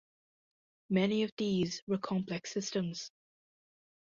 Many of these were complex systems.